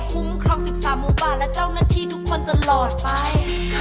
คุ้มครอง๑๓หมู่บ้านและเจ้านาทีทุกคนตลอดภัย